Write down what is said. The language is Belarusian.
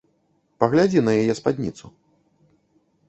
Паглядзі на яе спадніцу.